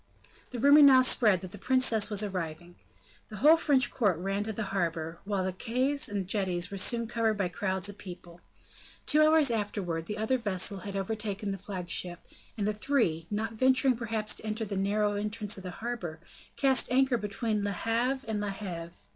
The rumor now spread that the princess was arriving. The whole French court ran to the harbor, while the quays and jetties were soon covered by crowds of people. Two hours afterwards, the other vessels had overtaken the flagship, and the three, not venturing perhaps to enter the narrow entrance of the harbor, cast anchor between Le Havre and La Heve.